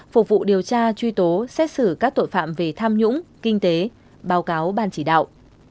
phục vụ điều tra truy tố xét xử các tội phạm về tham nhũng kinh tế báo cáo ban chỉ đạo